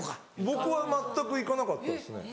僕は全く行かなかったですね。